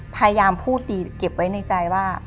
พยายามพูดดีเก็บไว้ในใจว่า